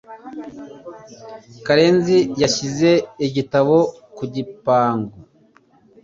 Karenzi yashyize igitabo ku gipangu.